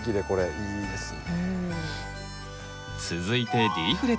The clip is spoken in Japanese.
いいですね。